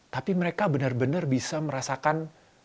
tapi mereka benar benar bisa merasakan